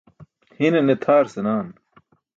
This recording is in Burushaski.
Hine ne tʰaar senaan.